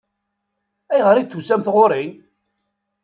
Ayɣer i d-tusamt ɣur-i?